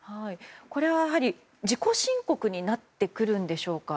これは自己申告になってくるんでしょうか。